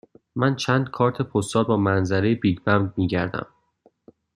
من چند کارت پستال با منظره بیگ بن می گردم.